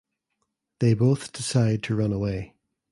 They both decide to run away.